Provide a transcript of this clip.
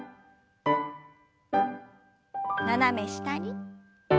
斜め下に。